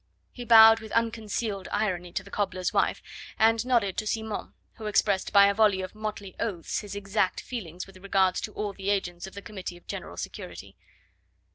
He bowed with unconcealed irony to the cobbler's wife, and nodded to Simon, who expressed by a volley of motley oaths his exact feelings with regard to all the agents of the Committee of General Security.